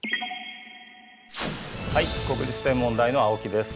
はい国立天文台の青木です。